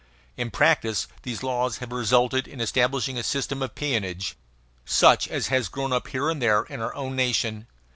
In practice these laws have resulted in establishing a system of peonage, such as has grown up here and there in our own nation.